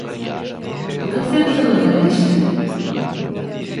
Bu kesel sygyrdan geçdi.